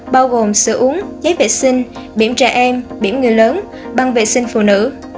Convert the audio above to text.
bao gồm sữa uống giấy vệ sinh biểm trẻ em biểm người lớn băng vệ sinh phụ nữ